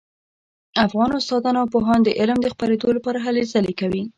افغان استادان او پوهان د علم د خپریدو لپاره هلې ځلې کوي